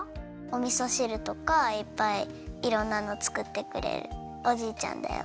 おみそしるとかいっぱいいろんなの作ってくれるおじいちゃんだよ。